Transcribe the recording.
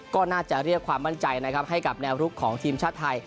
ก็น่าจะเรียกความมั่นใจนะครับให้กับแนวรุกของทีมชาติไทย